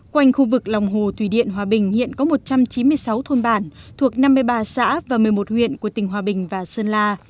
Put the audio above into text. quanh khu vực lòng hồ thủy điện hòa bình hiện có một trăm chín mươi sáu thôn bản thuộc năm mươi ba xã và một mươi một huyện của tỉnh hòa bình và sơn la